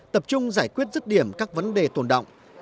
tập trung giải quyết rứt điểm các vấn đề tồn động